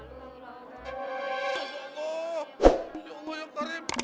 ya allah ya tuhan